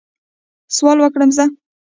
سوال وکړم زه؟